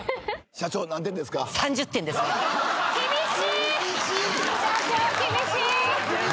社長厳しい！？